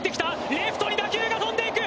レフトに打球が飛んでいく！